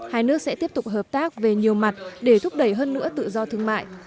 hai nước sẽ tiếp tục hợp tác về nhiều mặt để thúc đẩy hơn nữa tự do thương mại